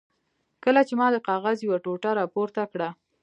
کله چې ما د کاغذ یوه ټوټه را پورته کړه.